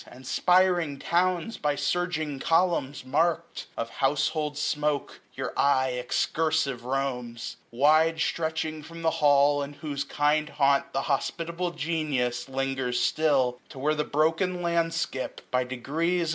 And spiry towns by surging columns mark'd Of household smoak, your eye excursive roams : Wide stretching from the Hall, in whose kind haunt The hospitable Genius lingers still, 955 To where the broken landskip, by degrees.